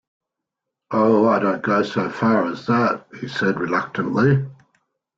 "Oh, I don't go so far as that," he said reluctantly.